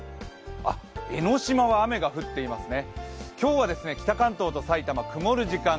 江の島は雨が降っていますね。